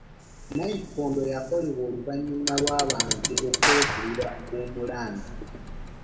Nnayikondo yakoleddwako oluvannyuma lw'abantu okwekubira omulanga.